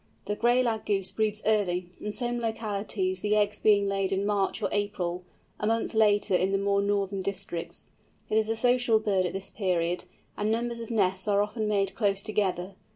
The Gray Lag Goose breeds early, in some localities the eggs being laid in March or April, a month later in the more northern districts. It is a social bird at this period, and numbers of nests are often made close together.